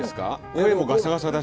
声もガサガサだし。